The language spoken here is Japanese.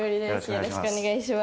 よろしくお願いします。